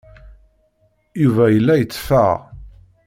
Yuba yella yetteffeɣ.